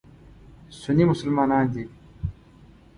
سني مسلمانان دي.